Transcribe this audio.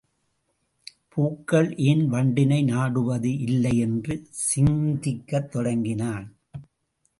பூக்கள் ஏன் வண்டினை நாடுவது இல்லை என்று சிந்திக்கத் தொடங்கினான்.